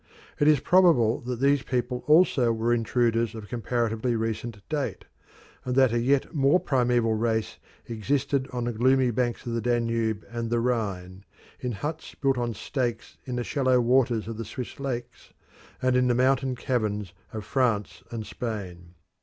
It is probable that these people also were intruders of comparatively recent date, and that a yet more primeval race existed on the gloomy banks of the Danube and the Rhine, in huts built on stakes in the shallow waters of the Swiss lakes, and in the mountain caverns of France and Spain.